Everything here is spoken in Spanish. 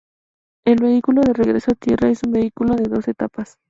El Vehículo de Regreso a Tierra es un vehículo de dos etapas.